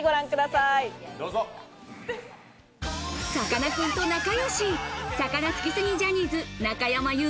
さかなクンと仲良し、魚好きすぎジャニーズ中山優